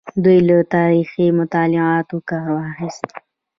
دوی له تاریخي مطالعاتو کار واخیست.